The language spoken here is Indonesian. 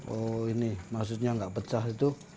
oh ini maksudnya nggak pecah itu